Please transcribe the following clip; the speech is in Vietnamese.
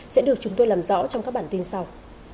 sẽ được chúng tôi làm rõ trong các bản tin sau